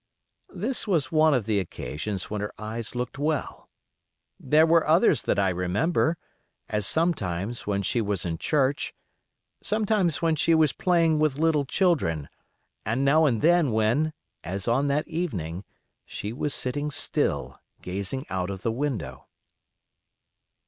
This was one of the occasions when her eyes looked well. There were others that I remember, as sometimes when she was in church; sometimes when she was playing with little children; and now and then when, as on that evening, she was sitting still, gazing out of the window.